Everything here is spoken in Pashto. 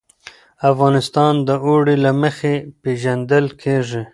افغانستان د اوړي له مخې پېژندل کېږي.